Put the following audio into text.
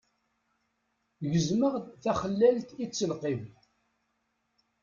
Gezmeɣ-d taxellalt i ttelqim.